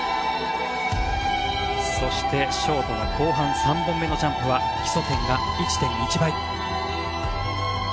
そして、ショートの後半３本目のジャンプは基礎点が１．１倍。